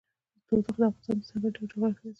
تودوخه د افغانستان د ځانګړي ډول جغرافیه استازیتوب کوي.